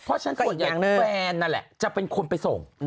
เพราะฉะนั้นส่วนใหญ่แฟนนั่นแหละจะเป็นคนไปส่ง